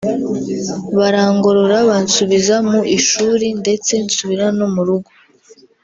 barangorora bansubiza mu ishuri ndetse nsubira no mu rugo